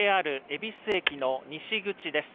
ＪＲ恵比寿駅の西口です。